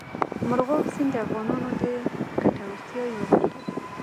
مورغاب سیند د افغانانو د ګټورتیا یوه برخه ده.